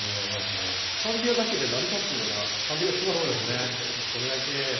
サルビアだけで成り立つような感じがしますね。